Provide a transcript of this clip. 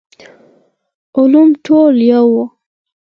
علوم ټول يو وو.